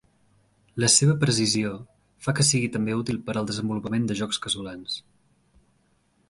La seva precisió fa que sigui també útil per al desenvolupament de jocs casolans.